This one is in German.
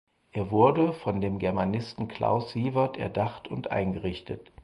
Er wurde von dem Germanisten Klaus Siewert erdacht und eingerichtet.